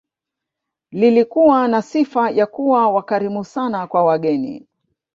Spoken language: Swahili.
Lilikuwa na sifa ya kuwa wakarimu sana kwa wageni